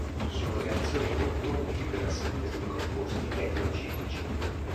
Sono reazioni molto utili per la sintesi di composti eterociclici.